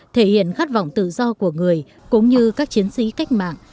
thể hiện khát vọng tự do của người cũng như các chiến sĩ cách mạng